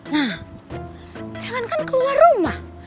nah jangan kan keluar rumah